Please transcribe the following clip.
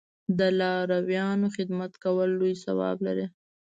د لارویانو خدمت کول لوی ثواب لري.